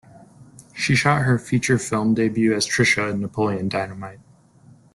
She shot her feature film debut as Trisha in "Napoleon Dynamite".